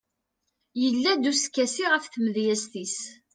yella-d uskasi ɣef tmedyazt-is